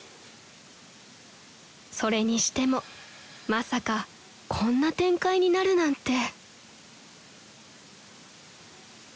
［それにしてもまさかこんな展開になるなんて］